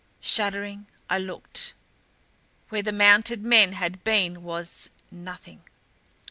Shuddering, I looked. Where the mounted men had been was nothing.